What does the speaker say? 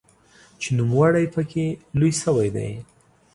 چې نوموړی پکې لوی شوی دی.